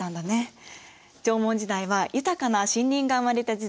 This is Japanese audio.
縄文時代は豊かな森林が生まれた時代。